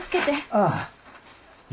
ああ。